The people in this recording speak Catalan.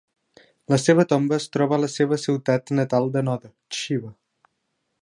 La seva tomba es troba a la seva ciutat natal de Noda, Chiba.